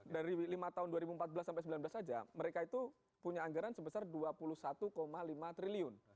dari lima tahun dua ribu empat belas sampai dua ribu sembilan belas saja mereka itu punya anggaran sebesar dua puluh satu lima triliun